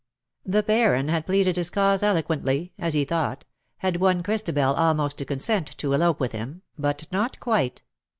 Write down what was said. The Baron had pleaded his cause eloquently, as he thought — had won Christabel almost to consent to elope with him — but not quite.